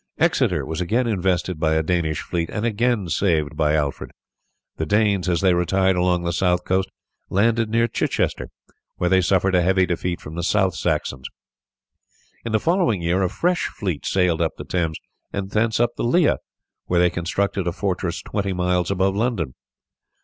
Exeter was again invested by a Danish fleet, and again saved by Alfred. The Danes, as they retired along the south coast, landed near Chichester, where they suffered a heavy defeat from the South Saxons. In the following year a fresh fleet sailed up the Thames and thence up the Lea, where they constructed a fortress twenty miles above London.